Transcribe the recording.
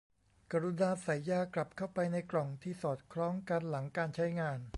กรุณาใส่ยากลับเข้าไปในกล่องที่สอดคล้องกันหลังการใช้งาน